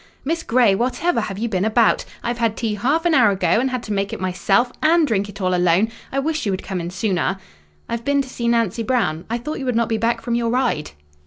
"Miss Grey, whatever have you been about? I've had tea half an hour ago, and had to make it myself, and drink it all alone! I wish you would come in sooner!" "I've been to see Nancy Brown. I thought you would not be back from your ride."